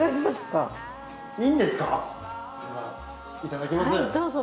ではいただきます。